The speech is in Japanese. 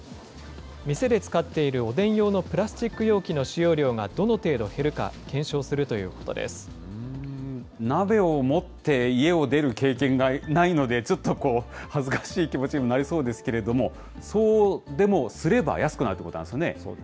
店で使っているおでん用のプラスチック容器の使用量がどの程度減鍋を持って家を出る経験がないので、ちょっと恥ずかしい気持ちになりそうですけれども、そうでもすれば安くなるということなんですよね。